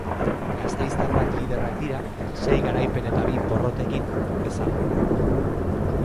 Gasteiztarrak liderrak dira, sei garaipen eta bi porrotekin, bezala.